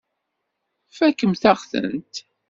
Tfakemt-aɣ-tent.